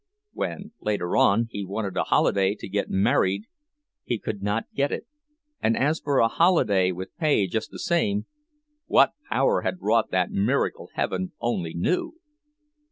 When, later on, he wanted a holiday to get married he could not get it; and as for a holiday with pay just the same—what power had wrought that miracle heaven only knew!